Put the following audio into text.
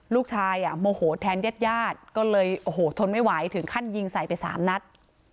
ลูกชายโมโหแทนเย็ดก็เลยโทนไม่ไหวถึงคั่นยิงใส่ไปสามนัด